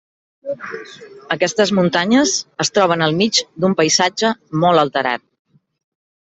Aquestes muntanyes es troben al mig d'un paisatge molt alterat.